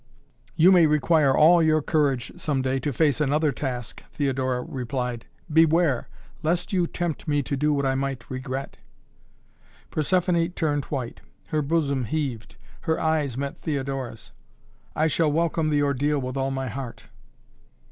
"You may require all your courage some day to face another task," Theodora replied. "Beware, lest you tempt me to do what I might regret." Persephoné turned white. Her bosom heaved. Her eyes met Theodora's. "I shall welcome the ordeal with all my heart!"